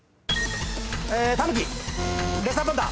タヌキレッサーパンダ。